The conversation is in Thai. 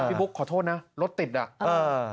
บุ๊คขอโทษนะรถติดอ่ะเออ